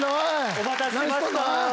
お待たせしました。